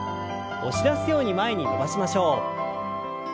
押し出すように前に伸ばしましょう。